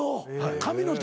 神の手？